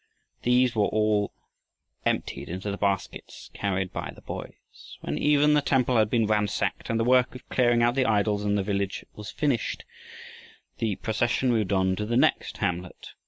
These were all emptied into the baskets carried by the boys. When even the temple had been ransacked and the work of clearing out the idols in the village was finished, the procession moved on to the next hamlet.